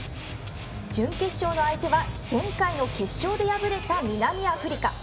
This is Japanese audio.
準決勝の相手は前回の決勝で敗れた南アフリカ。